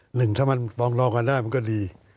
หนึ่งถ้ามันปองรองกันได้มันก็ดี